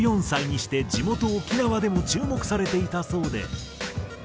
１４歳にして地元沖縄でも注目されていたそうで。